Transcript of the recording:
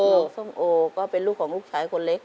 น้องส้มโอก็เป็นลูกของลูกชายคนเล็ก